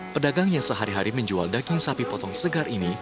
pedagang yang sehari hari menjual daging sapi potong segar ini